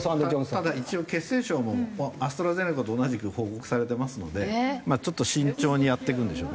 ただ一応血栓症もアストラゼネカと同じく報告されてますのでちょっと慎重にやっていくんでしょうね。